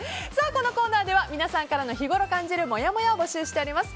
このコーナーでは皆さんからの日ごろ感じるもやもやを募集しております。